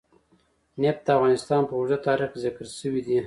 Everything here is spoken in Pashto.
نفت د افغانستان په اوږده تاریخ کې ذکر شوی دی.